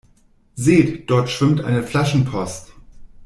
Seht, dort schwimmt eine Flaschenpost!